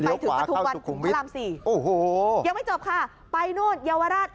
เรียกขวาเข้าสุขุมวิทย์โอ้โหยังไม่จบค่ะไปนู่นเยาวราช